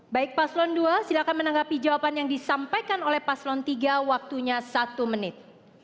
baik paslon dua silahkan menanggapi jawaban yang disampaikan oleh paslon tiga waktunya satu menit